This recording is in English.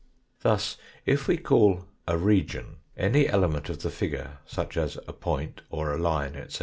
Thus, if we call " a region " any element of the figure, such as a point, or a line, etc.